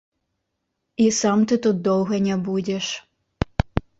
І сам ты тут доўга не будзеш.